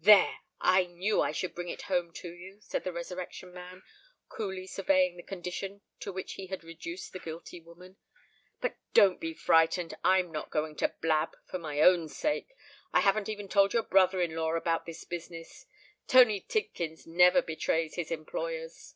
"There! I knew I should bring it home to you," said the Resurrection Man, coolly surveying the condition to which he had reduced the guilty woman. "But don't be frightened—I'm not going to blab, for my own sake. I haven't even told your brother in law about this business. Tony Tidkins never betrays his employers."